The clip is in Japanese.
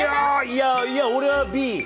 いやー、いやー、俺はＢ。